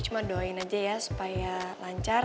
cuma doain aja ya supaya lancar